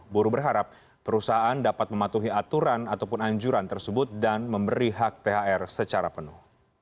buruh berharap perusahaan dapat mematuhi aturan ataupun anjuran tersebut dan memberi hak thr secara penuh